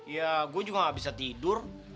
ya gue juga gak bisa tidur